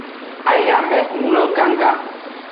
Ayamehun lo gangan.